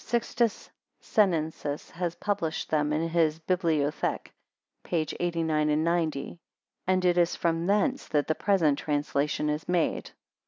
Sixtus Senensis has published them in his Bibliotheque, p 89, 90; and it is from thence that the present translation is made.